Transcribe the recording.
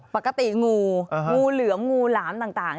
ปกติงูงูเหลือมงูหลามต่าง